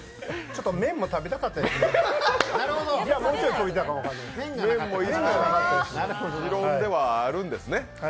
ちょっと麺も食べたかったですね。